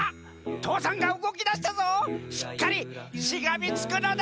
父山がうごきだしたぞしっかりしがみつくのだ！